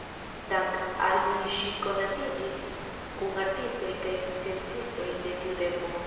Dank‘ al li ŝi konatiĝis kun artistoj kaj sciencistoj de tiu tempo.